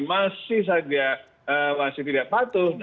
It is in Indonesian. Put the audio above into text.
masih tidak patuh